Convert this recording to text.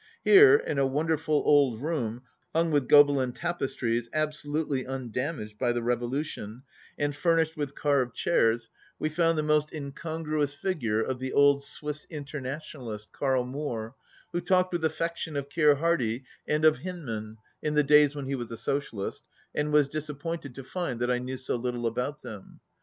Here, in a wonderful old room, hung with Gobelins tapestries absolutely undam aged by the revolution, and furnished with carved 31 chairs, wc found the most incongruous figure of the old Swiss internationalist, Karl Moor, who talked with affection of Keir Hardie and of Hynd man, "in the days when he was a socialist," and was disappointed to find that I knew so little about them.